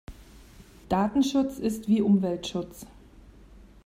Datenschutz ist wie Umweltschutz.